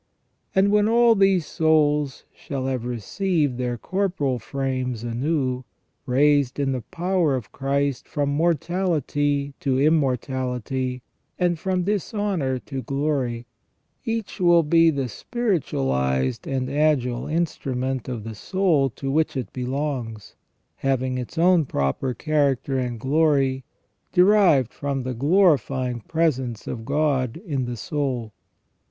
And when all these souls shall have received their corporal frames anew, raised in the power of Christ from mortality to immortality, and from dishonour to glory, each will be the spiritualized and agile instru ment of the soul to which it belongs, having its own proper character and glory, derived from the glorifying presence of God in the soul.